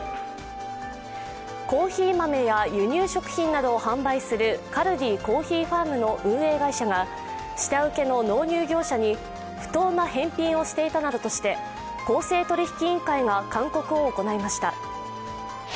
コーヒー豆や輸入食品などを販売するカルディコーヒーファームの運営会社が下請けの納入業者に不当な返品をしていたなどとして公正取引委員会が勧告を行いました。